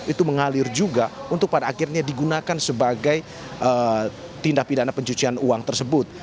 itu mengalir juga untuk pada akhirnya digunakan sebagai tindak pidana pencucian uang tersebut